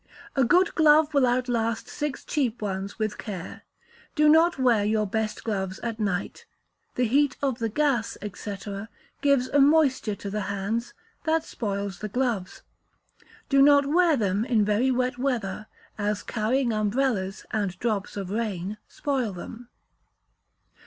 A good glove will outlast six cheap ones with care. Do not wear your best gloves at night, the heat of the gas, &c., gives a moisture to the hands, that spoils the gloves; do not wear them in very wet weather; as carrying umbrellas, and drops of rain, spoil them.